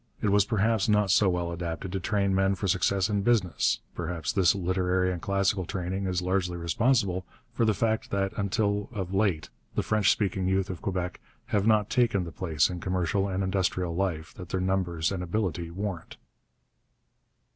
It was perhaps not so well adapted to train men for success in business; perhaps this literary and classical training is largely responsible for the fact that until of late the French speaking youth of Quebec have not taken the place in commercial and industrial life that their numbers and ability warrant.